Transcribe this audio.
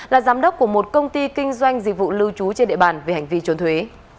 là giám đốc của một công ty kinh doanh dịch vụ lưu trú trên địa bàn về hành vi trốn thuế